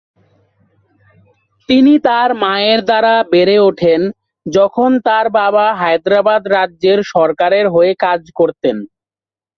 তিনি তার মায়ের দ্বারা বেড়ে ওঠেন যখন তার বাবা হায়দ্রাবাদ রাজ্যের সরকারের হয়ে কাজ করতেন।